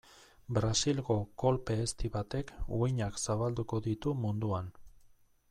Brasilgo kolpe ezti batek uhinak zabalduko ditu munduan.